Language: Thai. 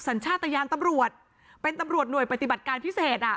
สัญชาติยานตำรวจเป็นตำรวจหน่วยปฏิบัติการพิเศษอ่ะ